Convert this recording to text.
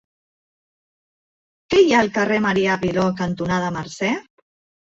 Què hi ha al carrer Marià Aguiló cantonada Mercè?